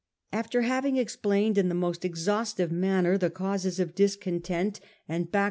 After having explained in the most exhaustive manner the causes of discontent and back 78 A.